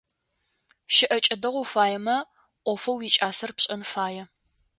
Щыӏэкӏэ дэгъу уфаемэ, ӏофэу уикӏасэр пшэн фае.